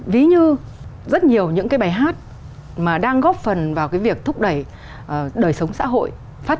ví như rất nhiều những cái bài hát mà đang góp phần vào cái việc thúc đẩy đời sống xã hội phát